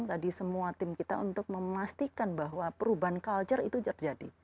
tadi semua tim kita untuk memastikan bahwa perubahan culture itu terjadi